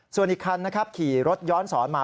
ส่วนอีกคันนะครับขี่รถย้อนสอนมา